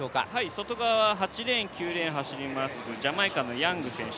外側８レーン、９レーン走りますジャマイカのヤング選手